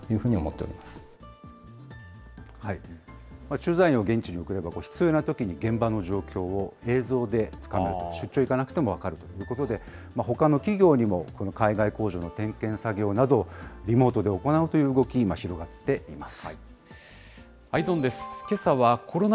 駐在員を現地に送れば、必要なときに現場の状況を映像で伝える、現地に行かなくても分かるということで、ほかの企業にもこの海外工場の点検作業など、リモートで行うという動きが今、広がっています。